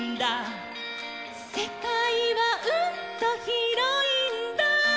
「せかいはうんとひろいんだ」